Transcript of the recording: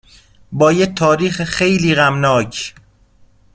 با یه تاریخ خیلی غمناک